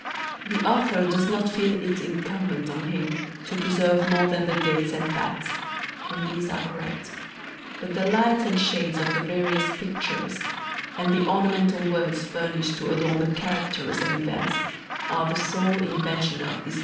THE AUTHOR DOES NOT FEEL IT INCUMBENT ON HIM TO PRESERVE MORE THAN THE DATES AND FACTS, AND THESE ARE CORRECT, BUT THE LIGHTS AND SHADES OF THE VARIOUS PICTURES AND THE ORNAMENTAL WORDS FURNISHED TO ADORN THE CHARACTERS AND EVENTS ARE THE SOLE INVENTION OF THIS HISTORIAN.